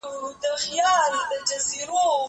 زه به سبا بوټونه پاک کړم!؟